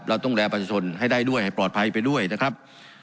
เราต้องแลประชาชนให้ได้ด้วยให้ปลอดภัยไปด้วยนะครับ